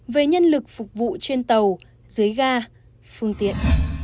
về nhân lực phục vụ trên tàu dưới ga phương tiện